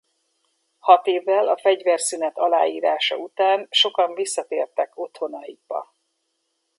Hat évvel a fegyverszünet aláírása után sokan visszatértek otthonaikba.